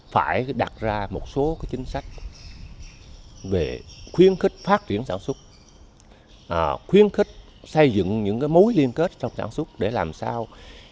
phải đặt ra một số chính sách về khuyến khích phát triển sản xuất khuyến khích xây dựng những mối liên kết trong sản xuất để làm sao